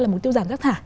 là mục tiêu giảm rác thả